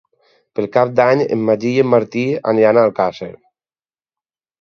Per Cap d'Any en Magí i en Martí aniran a Alcàsser.